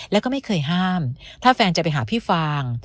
แล้วก็ไม่เคยห้ามถ้าแฟนจะไปหาพี่ฟาง